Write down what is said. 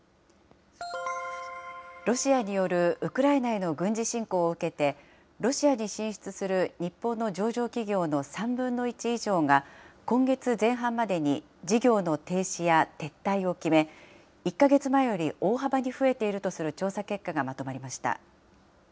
ロシアによるウクライナへの軍事侵攻を受けて、ロシアに進出する日本の上場企業の３分の１以上が、今月前半までに事業の停止や撤退を決め、１か月前より大幅に増えているとする調査結果がまとまりました。